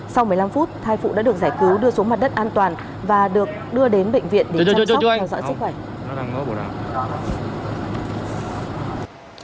sau một mươi năm phút thai phụ đã được giải cứu đưa xuống mặt đất an toàn và được đưa đến bệnh viện để đưa được theo dõi sức khỏe